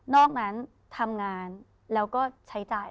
อกนั้นทำงานแล้วก็ใช้จ่าย